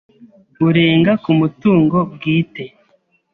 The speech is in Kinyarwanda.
Urenga ku mutungo bwite.